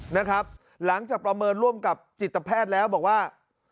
นะครับหลังจากประเมินร่วมกับจิตแพทย์แล้วบอกว่า